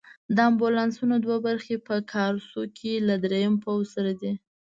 د امبولانسونو دوه برخې په کارسو کې له دریم پوځ سره دي.